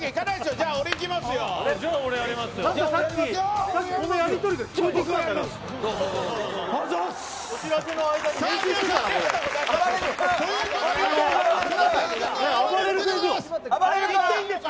じゃあ、俺やりますよ。